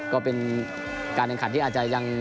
ก็เป็นการขัดที่อาจจะ